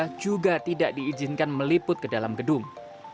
warga juga tidak diizinkan meliput ke dalam gedung